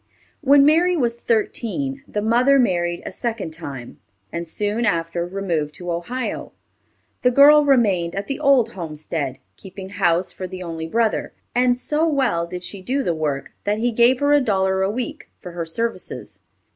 When Mary was thirteen, the mother married a second time, and soon after removed to Ohio. The girl remained at the old homestead, keeping house for the only brother, and so well did she do the work, that he gave her a dollar a week for her services.